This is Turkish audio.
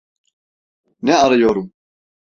Ne arıyorum?